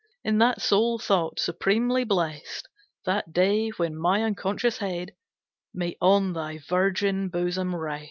In that sole thought supremely blest, That day, when my unconscious head May on thy virgin bosom rest.